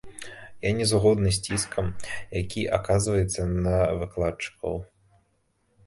Я не згодны з ціскам, які аказваецца на выкладчыкаў.